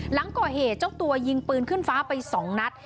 หลังก่อเหตุเจ้าตัวยิงปืนขึ้นฟ้าไป๒นัด